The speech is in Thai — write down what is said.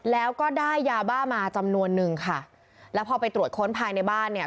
แล้วก็ได้ยาบ้ามาจำนวนนึงค่ะแล้วพอไปตรวจค้นภายในบ้านเนี่ย